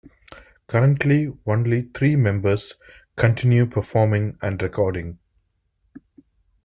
Currently, only three members continue performing and recording.